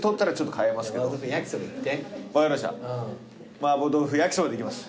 麻婆豆腐焼きそばでいきます。